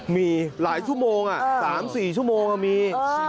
มีหลายชั่วโมง๓๔ชั่วโมงมี